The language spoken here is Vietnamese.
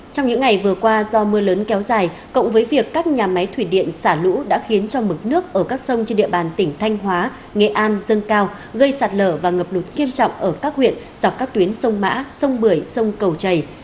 trong những ngày vừa qua do mưa lớn kéo dài cộng với việc các nhà máy thủy điện xả lũ đã khiến cho mực nước ở các sông trên địa bàn tỉnh thanh hóa nghệ an dâng cao gây sạt lở và ngập lụt nghiêm trọng ở các huyện dọc các tuyến sông mã sông bưởi sông cầu chảy